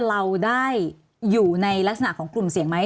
เราได้อยู่ในลักษณะของกลุ่มเสี่ยงไหม